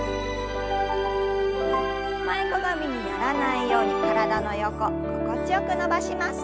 前かがみにならないように体の横心地よく伸ばします。